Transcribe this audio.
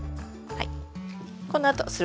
はい。